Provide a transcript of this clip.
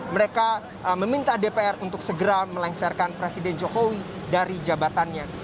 mereka meminta dpr untuk segera melengsarkan presiden jokowi dari jabatannya